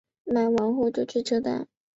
买完后就去车站